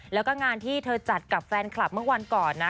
แล้วก็งานที่เธอจัดกับแฟนคลับเมื่อวันก่อนนะ